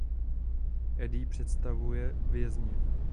Eddie představuje Vězně.